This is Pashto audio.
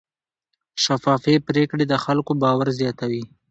شفافې پریکړې د خلکو باور زیاتوي.